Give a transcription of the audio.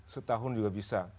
setahun juga bisa